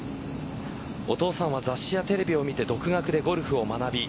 お父さんは雑誌やテレビを見て独学でゴルフを学び